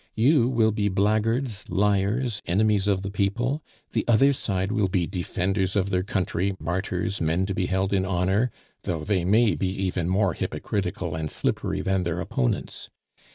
You will be blackguards, liars, enemies of the people; the other side will be defenders of their country, martyrs, men to be held in honor, though they may be even more hypocritical and slippery than their opponents.